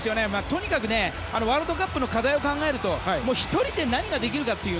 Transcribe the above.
とにかくワールドカップの課題を考えると１人で何ができるかという。